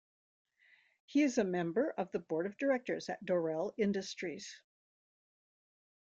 He is a member of the Board of Directors at Dorel Industries.